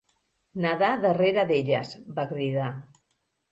"Nedar darrere d'elles", va cridar.